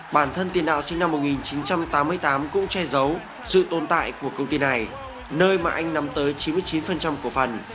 bản thân tiền đạo sinh năm một nghìn chín trăm tám mươi tám cũng che giấu sự tồn tại của công ty này nơi mà anh nắm tới chín mươi chín cổ phần